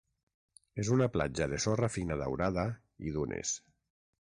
És una platja de sorra fina daurada i dunes.